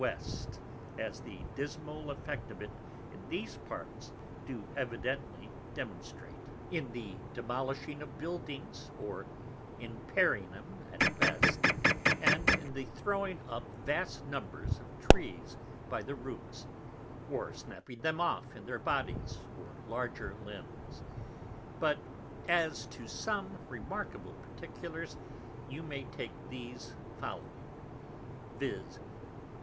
W._ as the dismal Effects of it in these Parts do evidently demonstrate, in the demolishing of Buildings (or impairing 'em at best) and in the throwing up vast numbers of Trees by the Roots, or snapping them off in their Bodies, or larger Limbs. But as to some remarkable Particulars, you may take these following, _viz.